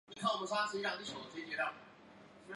治今额济纳旗西南。